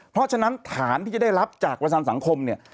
เพราะฉะนั้นฐานที่จะได้รับจากประจำสังคมเนี่ย